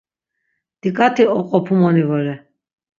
Diǩati oqopumoni vore.